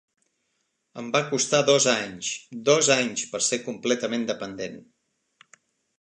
Em va costar dos anys; dos anys per ser completament dependent.